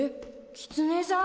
・キツネさん！